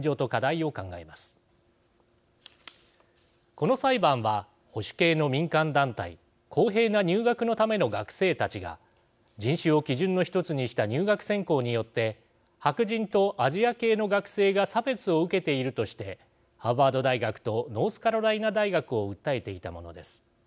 この裁判は保守系の民間団体公平な入学のための学生たちが人種を基準の１つにした入学選考によって白人とアジア系の学生が差別を受けているとしてハーバード大学とノースカロライナ大学を訴えていたものです。